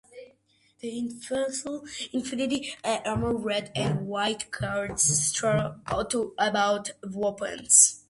The initially unarmed Red and White Guards strove to obtain weapons.